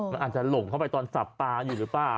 มันอาจจะหลงเข้าไปตอนสับปลาอยู่หรือเปล่า